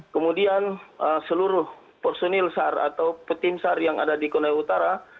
kemudian seluruh personil sar atau petim sar yang ada di konai utara